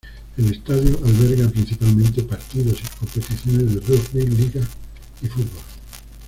El estadio alberga, principalmente, partidos y competiciones de rugby league y fútbol.